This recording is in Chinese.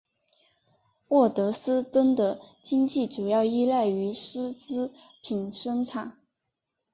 沃德斯登的经济主要依赖于丝织品生产。